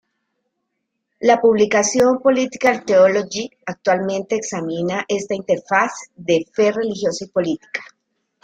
La publicación "Political Theology" actualmente examina esta interfaz de fe religiosa y política.